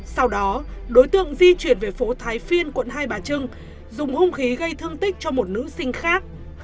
sau đó đối tượng di chuyển về phố thái phiên quận hai bà trưng dùng hung khí gây thương tích cho một nữ sinh khác